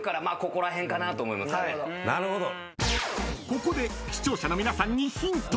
［ここで視聴者の皆さんに］